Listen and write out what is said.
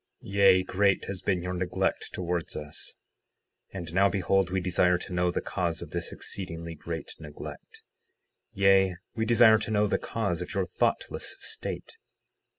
Yea, great has been your neglect towards us. 60:6 And now behold, we desire to know the cause of this exceedingly great neglect; yea, we desire to know the cause of your thoughtless state.